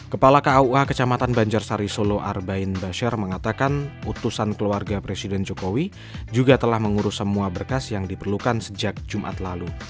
kepala kua kecamatan banjarsari solo arbain basyar mengatakan utusan keluarga presiden jokowi juga telah mengurus semua berkas yang diperlukan sejak jumat lalu